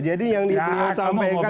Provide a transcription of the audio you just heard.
jadi yang ditulis sampaikan